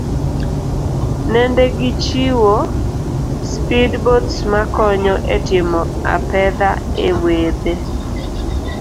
Nende gichiwo speed boats makonyo etimo apedha ewedhe.